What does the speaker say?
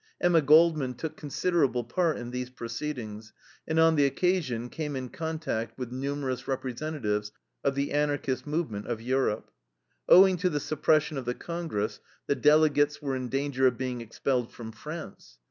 Emma Goldman took considerable part in these proceedings, and on that occasion came in contact with numerous representatives of the Anarchist movement of Europe. Owing to the suppression of the congress, the delegates were in danger of being expelled from France.